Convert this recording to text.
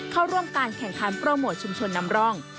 เข้าร่วมการแข่งขันโปรโมทชุมชนนำร่อง